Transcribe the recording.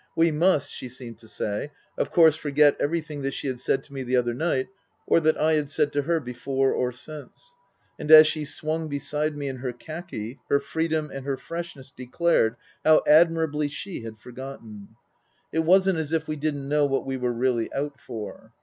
We must, she seemed to say, of course forget everything that she had said to me the other night or that I had said to her before or since ; and, as she swung beside me in her khaki, her freedom and her freshness declared how admirably she had forgotten. It wasn't as if we didn't know what we were really out for.